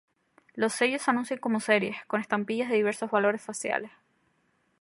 Los sellos se anuncian como series, con estampillas de diversos valores faciales.